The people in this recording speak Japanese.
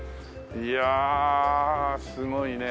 いやすごいね。